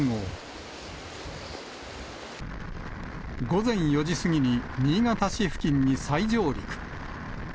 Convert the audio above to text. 午前４時過ぎに新潟市付近に再上陸。